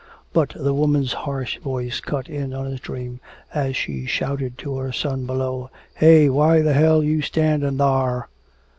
But the woman's harsh voice cut in on his dream, as she shouted to her son below, "Hey! Why the hell you standin' thar?"